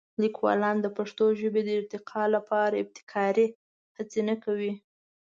لیکوالان د پښتو ژبې د ارتقا لپاره ابتکاري هڅې نه کوي.